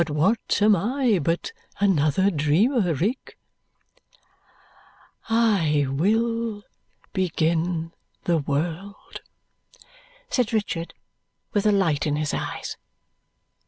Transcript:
What am I but another dreamer, Rick?" "I will begin the world!" said Richard with a light in his eyes.